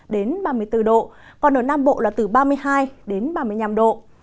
đến ba mươi bốn độ còn ở nam bộ là từ ba mươi hai đến ba mươi năm độ